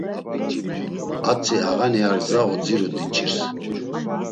Atzi ağani ar gza odziru diç̌irs.